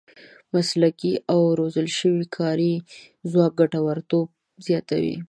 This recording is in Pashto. مسلکي او روزل شوی کاري ځواک ګټورتوب زیاتوي.